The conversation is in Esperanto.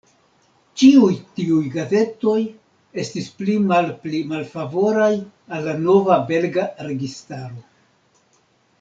Ĉiuj tiuj gazetoj estis pli malpli malfavoraj al la nova belga registaro.